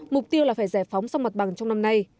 mục tiêu là phải giải phóng xong mặt bằng trong năm nay